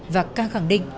và ca khẳng định